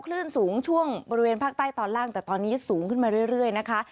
คลื่นสูงช่วงบริเวณภาคใต้ตอนล่างแต่ตอนนี้สูงขึ้นมาเรื่อยนะคะ